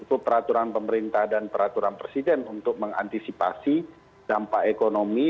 itu peraturan pemerintah dan peraturan presiden untuk mengantisipasi dampak ekonomi